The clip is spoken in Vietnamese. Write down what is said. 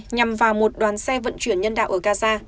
nhằm vào một đoàn xe vận chuyển nhân đạo ở gaza